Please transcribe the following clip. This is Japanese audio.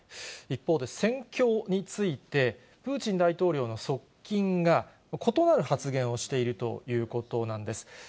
一方で、戦況について、プーチン大統領の側近が異なる発言をしているということなんです。